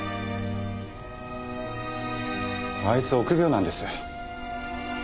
あいつ臆病なんです。